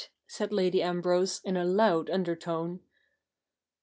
' said Lady Ambrose, in a loud undertone.